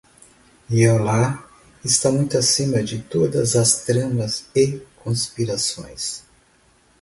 E Alá está muito acima de todas as tramas e conspirações